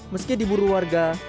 meski diburu warga